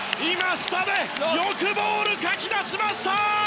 下で、よくボールをかき出しました！